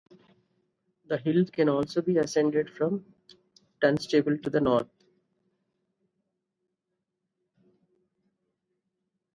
The hill can also be ascended from Dunstable to the north.